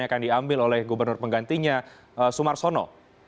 yang akan diambil oleh gubernur penggantinya sumarsono